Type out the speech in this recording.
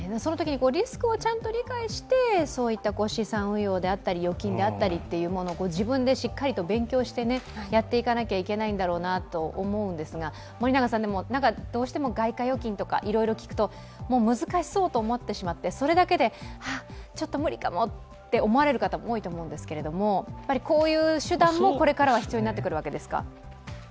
リスクをちゃんと理解して資産運用であったり預金であったりっていうのを自分でしっかりと勉強してやっていかなければいけないんだろうなと思うんですがどうしても外貨預金とかいろいろ聞くと難しそうと思ってしまってそれだけでちょっと無理かもって思われる方も多いと思うんですがこういう手段もこれからは必要になってくるわけですか。